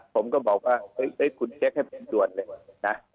ผมก็บอกว่าคุณเช็คให้ปรับปรับด่วนเลย